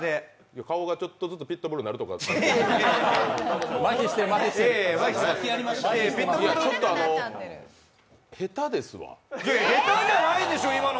顔がちょっとずつピットブルになるとかじゃないの？